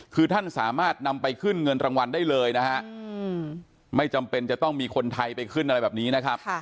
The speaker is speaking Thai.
คือท่านสามารถนำไปขึ้นเงินรางวัลได้เลยนะฮะไม่จำเป็นจะต้องมีคนไทยไปขึ้นอะไรแบบนี้นะครับ